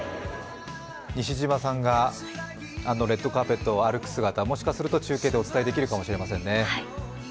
西島さんが、あのレッドカーペットを歩く姿、もしかすると中継でお伝えできるかもしれませんね。